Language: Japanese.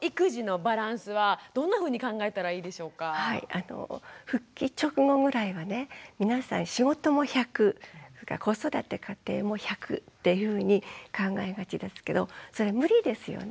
あの復帰直後ぐらいはね皆さん仕事も１００子育て家庭も１００っていうふうに考えがちですけどそれ無理ですよね。